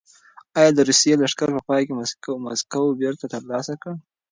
ایا د روسیې لښکر په پای کې مسکو بېرته ترلاسه کړ؟